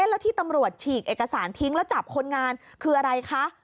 แล้วที่ตำรวจฉีกเอกสารทิ้งแล้วจับคนงานคืออะไรคะ